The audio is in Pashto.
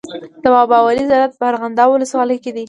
د بابا ولي زیارت په ارغنداب ولسوالۍ کي دی.